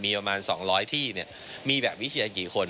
มีประมาณ๒๐๐ที่มีแบบวิเชียร์กี่คน